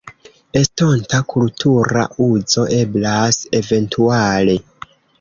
Estonta kultura uzo eblas eventuale.